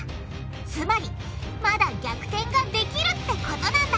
つまりまだ逆転ができるってことなんだ！